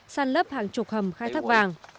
săn lấp hàng chục hầm khai thác vàng